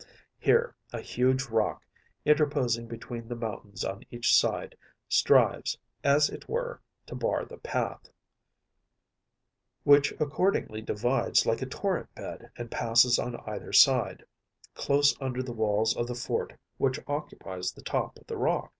Here a huge rock, interposing between the mountains on each side, strives, as it were, to bar the path, which accordingly divides like a torrent bed, and passes on either side, close under the walls of the fort which occupies the top of the rock.